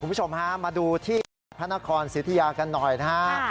คุณผู้ชมฮะมาดูที่จังหวัดพระนครสิทธิยากันหน่อยนะฮะ